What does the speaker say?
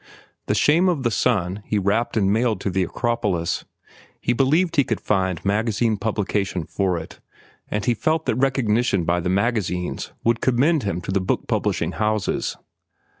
"The Shame of the Sun" he wrapped and mailed to The Acropolis. He believed he could find magazine publication for it, and he felt that recognition by the magazines would commend him to the book publishing houses.